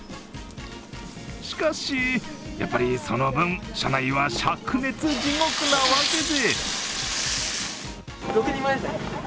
しかし、やっぱりその分、車内はしゃく熱地獄なわけで。